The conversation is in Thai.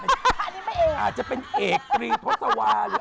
ได้นะอาจจะเป็นเอกรีธศวารีย